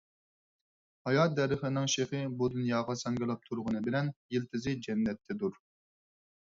ھايا دەرىخىنىڭ شېخى بۇ دۇنياغا ساڭگىلاپ تۇرغىنى بىلەن يىلتىزى جەننەتتىدۇر.